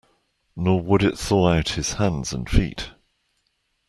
Nor would it thaw out his hands and feet.